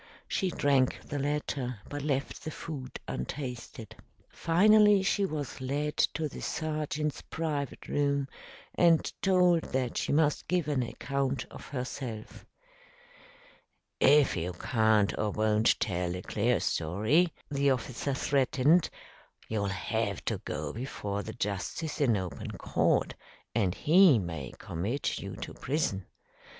She drank the latter, but left the food untasted. Finally, she was led to the sergeant's private room and told that she must give an account of herself. "If you can't or won't tell a clear story," the officer threatened, "you'll have to go before the justice in open court, and he may commit you to prison.